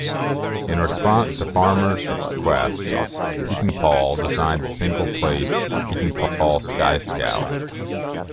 In response to Farmer's request, Pietenpol designed the single-place Pietenpol Sky Scout.